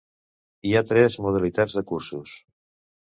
Hi ha tres modalitats de cursos.